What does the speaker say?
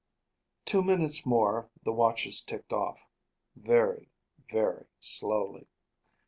Two minutes more the watches ticked off; very, very slowly.